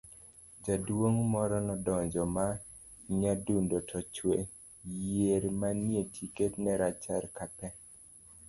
,jaduong' moro nodonjo ma nyadundo to chwe, yier manie tike ne rachar ka pe